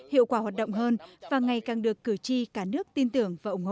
hiệu quả hoạt động hơn và ngày càng được cử tri cả nước tin tưởng và ủng hộ